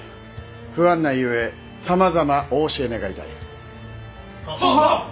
不案内ゆえさまざまお教え願いたい。ははぁ。